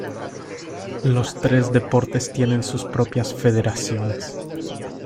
Los tres deportes tienen sus propias federaciones.